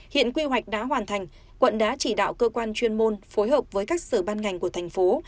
hiện quy hoạch đã hoàn thành quận đã chỉ đạo cơ quan chuyên môn phối hợp với các sở ban ngành của thành phố